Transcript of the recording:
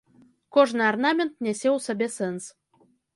Кожны арнамент нясе ў сабе сэнс.